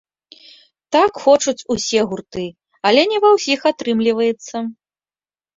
Так хочуць усе гурты, але не ва ўсіх атрымліваецца.